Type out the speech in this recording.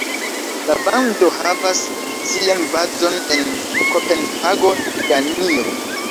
La bando havas sian bazon en Kopenhago, Danio.